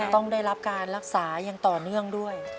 ต้องได้รับการรักษาอย่างต่อเนื่องด้วย